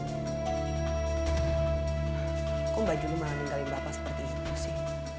kok mbak juli malah ninggalin bapak seperti itu sih